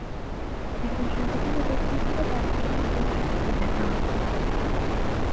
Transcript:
একজন শান্তিকামী ব্যক্তি হিসেবে তাঁকে তখন শ্রদ্ধার চোখে দেখা হত।